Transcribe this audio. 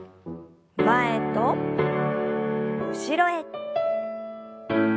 前と後ろへ。